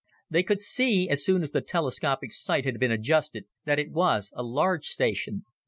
They could see, as soon as the telescopic sight had been adjusted, that it was a large station.